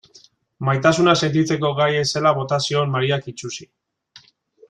Maitasuna sentitzeko gai ez zela bota zion Mariak itsusi.